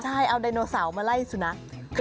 ใช่เอาไดโนเสาร์มาไล่สุนัข